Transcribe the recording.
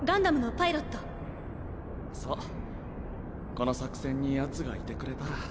この作戦にヤツがいてくれたら。